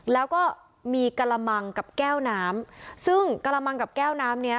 แล้วก็มีกระมังกับแก้วน้ำซึ่งกระมังกับแก้วน้ำเนี้ย